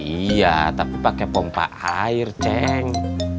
iya tapi pakai pompa air ceng